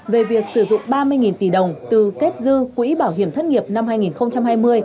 về việc sử dụng ba mươi tỷ đồng từ kết dư quỹ bảo hiểm thất nghiệp năm hai nghìn hai mươi